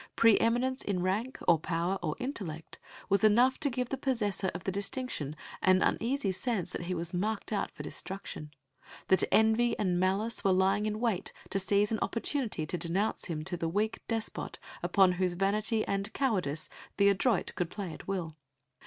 Pre eminence in rank, or power, or intellect, was enough to give the possessor of the distinction an uneasy sense that he was marked out for destruction, that envy and malice were lying in wait to seize an opportunity to denounce him to the weak despot upon whose vanity and cowardice the adroit could play at will.